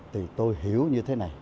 thì tôi hiểu như thế này